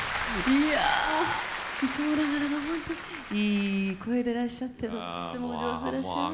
いやいつもながらのほんとにいい声でらっしゃってとってもお上手でらっしゃいます。